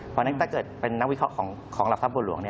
เพราะฉะนั้นถ้าเกิดเป็นนักวิเคราะห์ของหลักทรัพย์หลวง